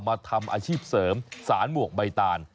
มาทำอาชีพเสริมสารหมวกใบตาล